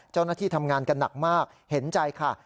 เจ้าหน้าที่ทำงานกันหนักมากเห็นใจค่ะ